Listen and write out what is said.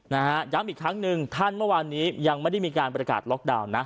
ย้ำอีกครั้งหนึ่งท่านเมื่อวานนี้ยังไม่ได้มีการประกาศล็อกดาวน์นะ